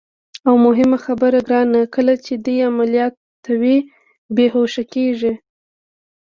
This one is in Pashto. او مهمه خبره ګرانه، کله چې دې عملیاتوي، بېهوښه کېږي.